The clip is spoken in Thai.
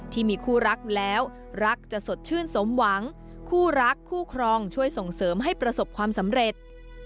ที่มีคู่รักแล้วรักจะสดชื่นสมหวังคู่รักคู่ครองช่วยส่งเสริมให้ประสบความสำเร็จ